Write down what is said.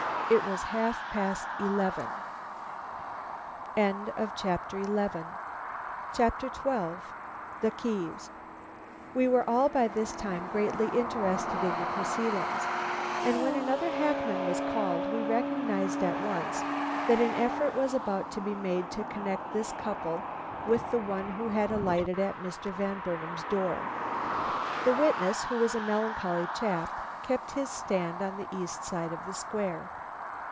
It was half past eleven." XII. THE KEYS. We were all by this time greatly interested in the proceedings; and when another hackman was called we recognized at once that an effort was about to be made to connect this couple with the one who had alighted at Mr. Van Burnam's door. The witness, who was a melancholy chap, kept his stand on the east side of the Square.